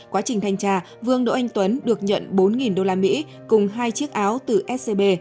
quá trình thanh tra vương đỗ anh tuấn được nhận bốn usd cùng hai chiếc áo từ scb